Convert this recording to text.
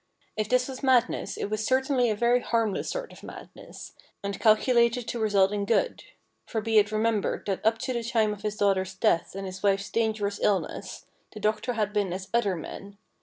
If this was madness it was certainly a very harmless sort of madness, and calculated to result in good. For be it remembered that up to the time of his daughter's death and his wife's dangerous illness, the doctor had been as other men.